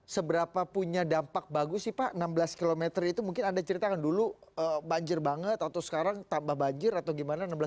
seberapa punya dampak bagus sih pak enam belas km itu mungkin anda ceritakan dulu banjir banget atau sekarang tambah banjir atau gimana